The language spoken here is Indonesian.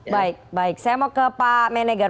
baik baik saya mau ke pak menegar